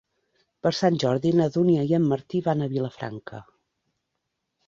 Per Sant Jordi na Dúnia i en Martí van a Vilafranca.